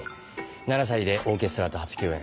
７歳でオーケストラと初共演。